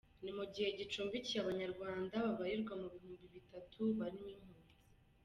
Ni mu gihe gicumbikiye Abanyarwanda babarirwa mu bihumbi bitatu barimo impunzi.